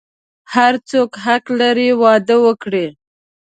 هر څوک حق لری واده وکړی